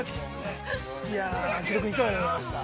◆いや、きょうはいかがでございました？